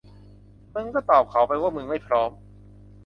มึงก็ตอบเขาไปว่ามึงไม่พร้อม